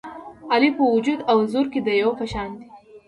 علي په وجود او زور کې د دېو په شان دی.